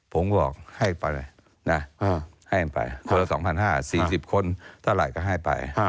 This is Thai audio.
ผมก็บอกให้ไปนะให้ไปคนละ๒๕๐๐๔๐คนเท่าไหร่ก็ให้ไป